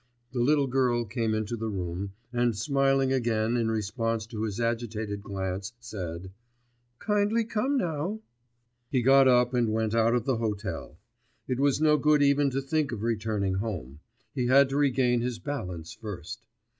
The little girl came into the room, and smiling again in response to his agitated glance, said: 'Kindly come, now ' He got up, and went out of the hotel. It was no good even to think of returning home: he had to regain his balance first.